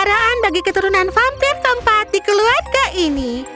kau juga memiliki kekuatan bagi keturunan vampir keempat di keluarga ini